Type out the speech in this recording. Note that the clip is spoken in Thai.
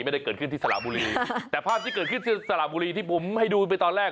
ไม่ได้เกิดขึ้นที่สระบุรีแต่ภาพที่เกิดขึ้นที่สระบุรีที่ผมให้ดูไปตอนแรก